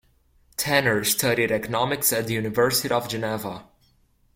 Tanner studied economics at the University of Geneva.